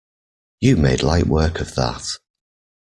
You made light work of that!